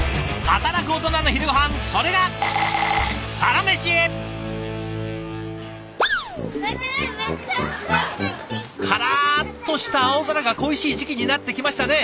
働くオトナの昼ごはんそれがカラッとした青空が恋しい時期になってきましたね。